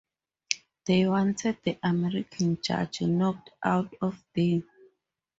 They wanted the American judge knocked out of there.